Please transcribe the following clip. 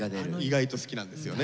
意外と好きなんですよね。